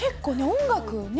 音楽をね